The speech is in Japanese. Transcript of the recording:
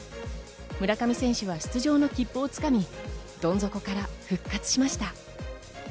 村上選手は出場の切符を掴み、どん底から復活しました。